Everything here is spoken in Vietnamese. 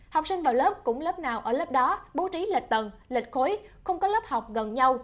học sinh vào lớp cũng lớp nào ở lớp đó bố trí lệch tầng lịch khối không có lớp học gần nhau